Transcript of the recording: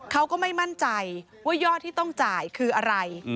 เขาก็ไม่มั่นใจว่ายอดที่ต้องจ่ายคืออะไร